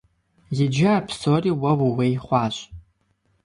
Иджы а псори уэ ууей хъуащ.